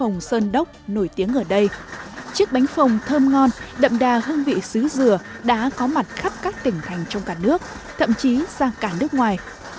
hồng sơn ở đây chiếc bánh phồng thơm ngon đậm đà hương vị xứ dừa đã có mặt khắp các tỉnh thành trong cả nước thậm chí sang cả nước ngoài